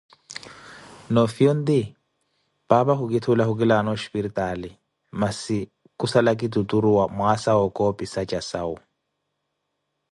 noofiya onti, paapa kukitthuula khukilawana oshiripitaali, masi kusala ki tuturuwa mwaasa wa okoopisa jasau.